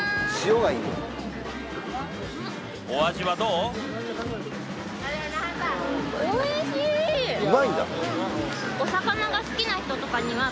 お味はどう？